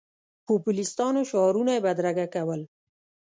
پوپلیستانو شعارونه یې بدرګه کول.